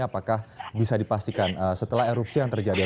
apakah bisa dipastikan setelah erupsi yang terjadi